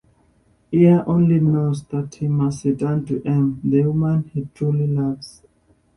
Ira only knows that he must return to M, the woman he truly loves.